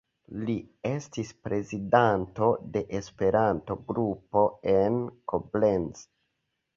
Li estis prezidanto de Esperanto-grupo en Koblenz.